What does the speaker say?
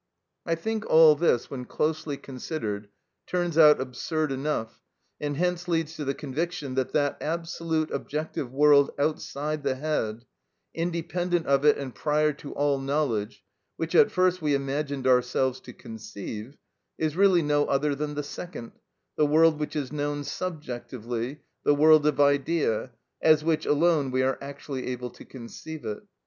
I think all this, when closely considered, turns out absurd enough, and hence leads to the conviction that that absolute objective world outside the head, independent of it and prior to all knowledge, which at first we imagined ourselves to conceive, is really no other than the second, the world which is known subjectively, the world of idea, as which alone we are actually able to conceive it.